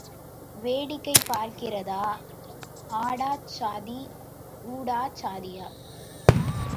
வேடிக்கை பார்க்கிறதா ஆடாச் சாதி ஊடாச் சாதியா?